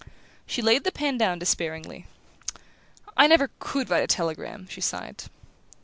She laid the pen down despairingly. "I never COULD write a telegram!" she sighed.